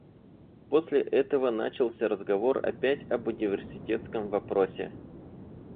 После этого начался разговор опять об университетском вопросе.